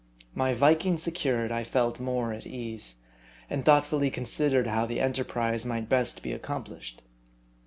My Viking secured, I felt more at ease ; and thoughtfully considered how the enterprise might best be accomplished.